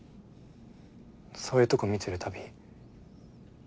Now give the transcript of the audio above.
そういうとこ見てるたび